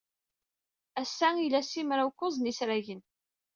Ass ila simraw-kuẓ n yisragen.